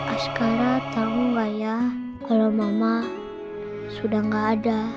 ascara tahu gak ya kalau mama sudah gak ada